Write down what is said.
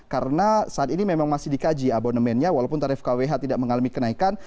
karena saat ini memang masih dikaji abonemennya walaupun tarif kwh tidak mengalami kenaikan